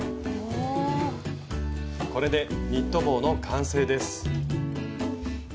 これでニット帽の完成です。